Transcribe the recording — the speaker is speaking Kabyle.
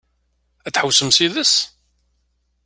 Ad tḥewwsemt yid-s?